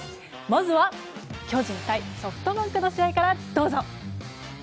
まずは巨人対ソフトバンクの試合からどうぞ。